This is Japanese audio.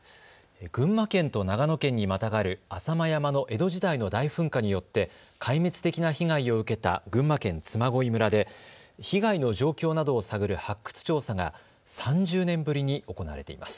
群馬県と長野県にまたがる浅間山の江戸時代の大噴火によって壊滅的な被害を受けた群馬県嬬恋村で被害の状況などを探る発掘調査が３０年ぶりに行われています。